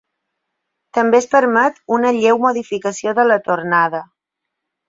També es permet una lleu modificació de la tornada.